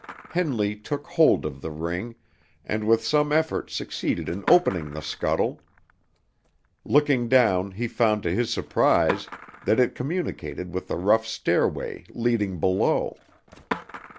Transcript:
Henley took hold of the ring, and with some effort succeeded in opening the scuttle. Looking down, he found to his surprise that it communicated with a rough stairway leading below.